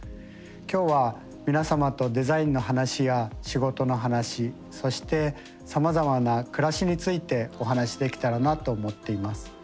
今日は皆様とデザインの話や仕事の話そしてさまざまな暮らしについてお話しできたらなと思っています。